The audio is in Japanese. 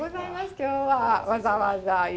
今日はわざわざ。